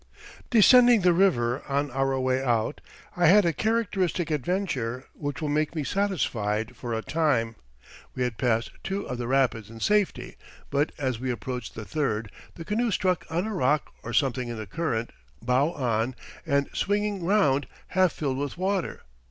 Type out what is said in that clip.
"Descending the river on our way out, I had a characteristic adventure, which will make me satisfied for a time. We had passed two of the rapids in safety, but as we approached the third, the canoe struck on a rock or something in the current, bow on, and swinging round, half filled with water.